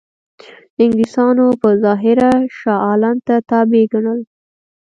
انګلیسانو په ظاهره شاه عالم ته تابع ګڼل.